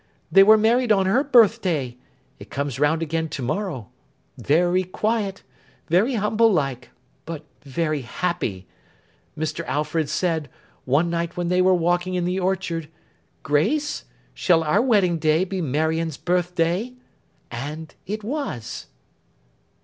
They were married on her birth day—it comes round again to morrow—very quiet, very humble like, but very happy. Mr. Alfred said, one night when they were walking in the orchard, "Grace, shall our wedding day be Marion's birth day?" And it was.